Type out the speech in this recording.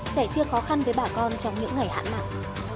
sẽ chưa khó khăn với bà con trong những ngày hạn mặn